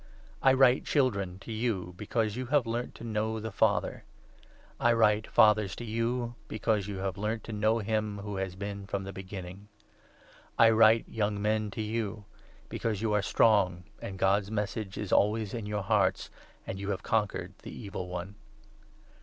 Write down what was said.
I write, Children, to you, be cause you have learnt to know the Father. I write, Fathers, to 14 you, because you have learnt to know him who has been from the Beginning. I write, Young Men, to you, because you are strong, and God's Message is always in your hearts, and you have conquered the Evil One.